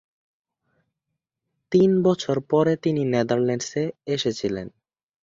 তিন বছর পরে তিনি নেদারল্যান্ডসে এসেছিলেন।